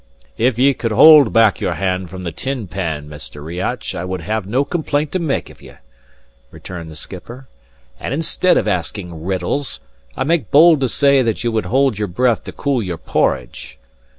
"If ye could hold back your hand from the tin pan, Mr. Riach, I would have no complaint to make of ye," returned the skipper; "and instead of asking riddles, I make bold to say that ye would keep your breath to cool your porridge.